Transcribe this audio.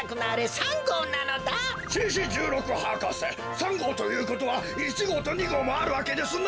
３ごうということは１ごうと２ごうもあるわけですな！？